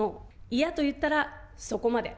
嫌と言ったら、そこまで。